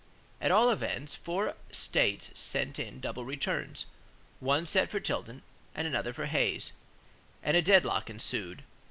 At all events, four states sent in double returns, one set for Tilden and another for Hayes; and a deadlock ensued.